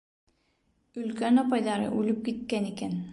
Өлкән апайҙары үлеп киткән икән.